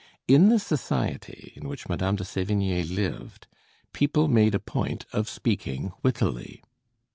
In the society in which Madame de Sévigné lived, people made a point of speaking wittily.